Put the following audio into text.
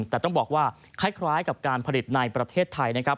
แต่ต้องบอกว่าคล้ายกับการผลิตในประเทศไทยนะครับ